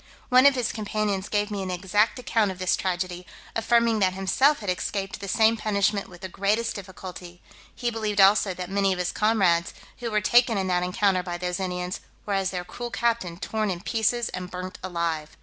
One of his companions gave me an exact account of this tragedy, affirming that himself had escaped the same punishment with the greatest difficulty; he believed also that many of his comrades, who were taken in that encounter by those Indians, were, as their cruel captain, torn in pieces and burnt alive.